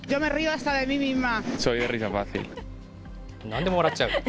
なんでも笑っちゃう。